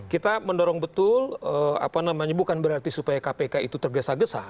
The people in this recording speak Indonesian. kita mendorong betul apa namanya bukan berarti supaya kpk itu tergesa gesa